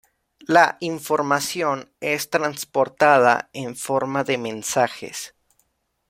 La información es transportada en forma de mensajes.